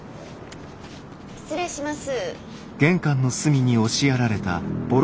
失礼します。